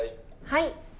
はい。